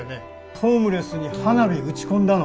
ホームレスに花火打ち込んだの？